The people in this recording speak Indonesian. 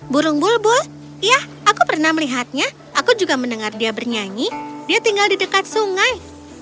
burung bulbul ya aku pernah melihatnya aku juga mendengar dia bernyanyi dia tinggal di dekat sungai